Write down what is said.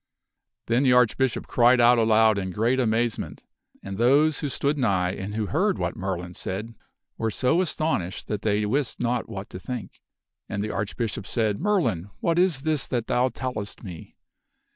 Then the Archbishop cried out aloud in great amazement and those who stood nigh and who heard what Merlin said were so astonished that they wist not what to think. And the Archbishop said, '" Merlin, what is this that thou tellest me?